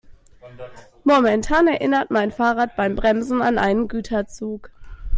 Momentan erinnert mein Fahrrad beim Bremsen an einen Güterzug.